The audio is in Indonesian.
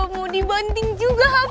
mau dibanting juga hpnya